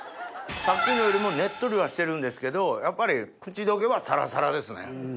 さっきのよりもねっとりはしてるんですけどやっぱり口溶けはサラサラですね。